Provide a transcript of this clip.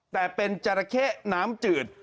แต่เป็นจราเข้น้ำจืด